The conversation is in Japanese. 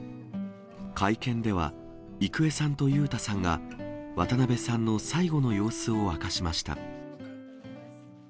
会見では、郁恵さんと裕太さんが渡辺さんの最期の様子を明かしました。